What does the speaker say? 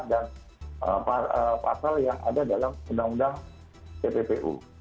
dan pasal yang ada dalam undang undang tppu